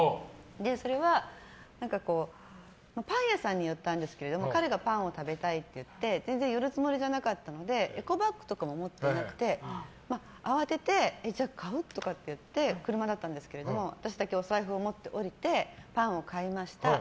それは、パン屋さんに寄ったんですけど彼がパンを食べたいって言って全然寄るつもりじゃなかったのでエコバッグとかも持ってなかったので慌てて買う？とか言って車だったんですけど私だけお財布を持って降りてパンを買いました。